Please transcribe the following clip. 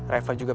misal ini gitu